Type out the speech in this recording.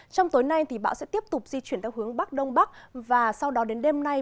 trong tối nay bão sẽ tiếp tục di chuyển theo hướng bắc đông bắc và sau đó đến đêm nay